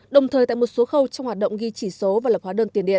đồng thời tại một số khâu trong hoạt động ghi chỉ số và lập hóa đơn tiền điện